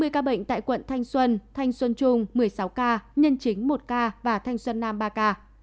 hai mươi ca bệnh tại quận thanh xuân thanh xuân trung một mươi sáu ca nhân chính một ca và thanh xuân nam ba ca